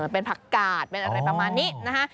เป็นผักกาดเป็นอะไรประมาณนี้นะคะ